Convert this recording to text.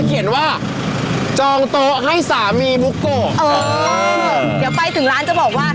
เดี๋ยวไปถึงร้านจะบอกว่า